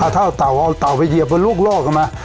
ถ้าเขาเอาเต่าไปเยียบวนลูกโลกล่ะไหม